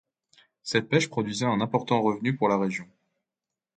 Cette pêche produisait un important revenu pour la région.